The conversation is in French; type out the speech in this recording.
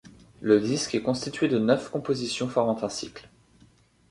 Le disque est constitué de neuf compositions formant un cycle.